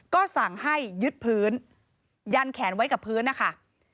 ก็สั่งให้ยึดพื้นยันแขนไว้กับพื้นนะคะ